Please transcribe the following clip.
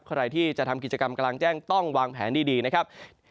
ใครที่จะทำกิจกรรมกลางแจ้งต้องวางแผนดีนะครับ